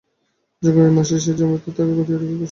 যোগমায়াই মাসি সেজে অমিতর হাতে তাকে গতিয়ে দেবার কৌশল করছে।